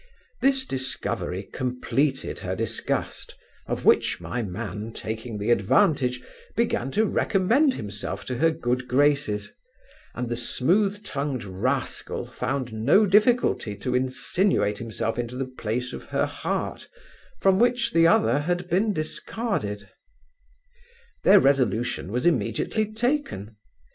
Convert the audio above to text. This discovery completed her disgust, of which my man taking the advantage, began to recommend himself to her good graces, and the smooth tongued rascal found no difficulty to insinuate himself into the place of her heart, from which the other had been discarded Their resolution was immediately taken.